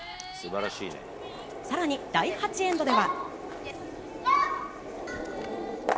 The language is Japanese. さらに、第８エンドでは。